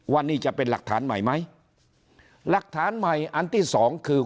ว่านี่จะเป็นหลักฐานใหม่ไหมหลักฐานใหม่อันที่สองคือ